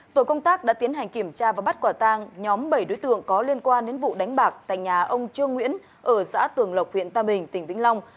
tổ công tác đã tiến hành kiểm tra và bắt quả tang nhóm bảy đối tượng có liên quan đến vụ đánh bạc tại nhà ông trương nguyễn ở xã tường lộc huyện tam bình tỉnh vĩnh long